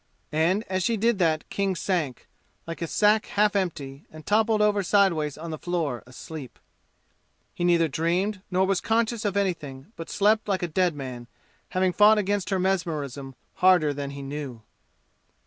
And as she did that King sank, like a sack half empty and toppled over sidewise on the floor asleep. He neither dreamed nor was conscious of anything, but slept like a dead man, having fought against her mesmerism harder than he knew.